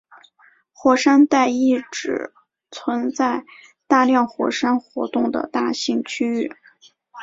火山带意指存在大量火山活动的大型区域。